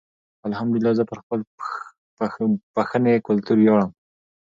الحمدالله زه پر خپل پښنې کلتور ویاړم.